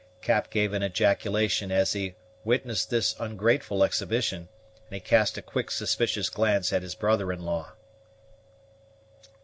Cap gave an ejaculation as he witnessed this ungrateful exhibition, and he cast a quick suspicious glance at his brother in law.